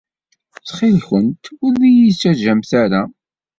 Ttxil-kent ur d-iyi-ttaǧǧamt ara.